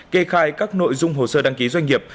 kê khai các nội dung hồ sơ đăng ký doanh nghiệp